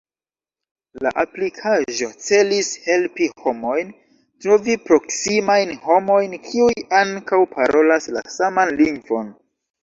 La aplikaĵo celis helpi homojn trovi proksimajn homojn kiuj ankaŭ parolas la saman lingvon.